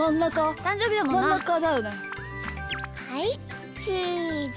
はいチーズ！